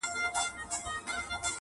ورته اور هم پاچهي هم یې وطن سو!!